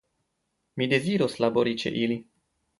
Mi dezirus labori ĉe ili.